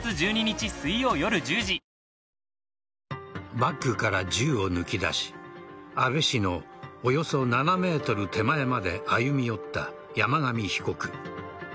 バッグから銃を抜き出し安倍氏のおよそ７ｍ手前まで歩み寄った山上被告。